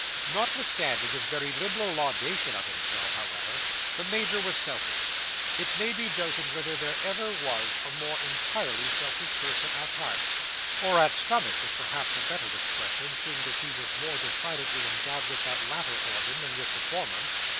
Notwithstanding his very liberal laudation of himself, however, the Major was selfish. It may be doubted whether there ever was a more entirely selfish person at heart; or at stomach is perhaps a better expression, seeing that he was more decidedly endowed with that latter organ than with the former.